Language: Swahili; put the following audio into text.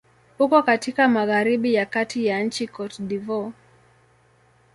Uko katika magharibi ya kati ya nchi Cote d'Ivoire.